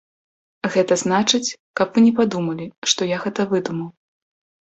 Гэта значыць, каб вы не падумалі, што я гэта выдумаў.